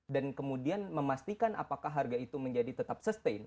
dan kemudian memastikan apakah harga itu tetap sustain